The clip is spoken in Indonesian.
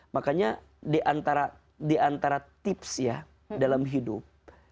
makanya diantara tips ya dalam hidup